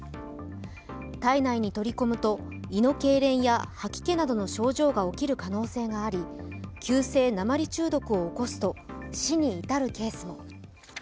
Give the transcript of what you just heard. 体内に取り込むと胃のけいれんや吐き気などの症状が起きる可能性があり急性鉛中毒を起こすと死に至るケースも。